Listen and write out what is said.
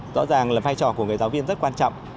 rõ ràng là vai trò của người giáo viên rất quan trọng